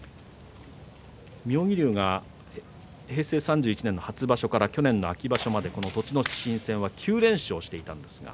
妙義龍は平成３１年初場所から３４年の秋場所まで、この栃ノ心戦は９連勝していました。